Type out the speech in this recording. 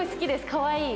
かわいい。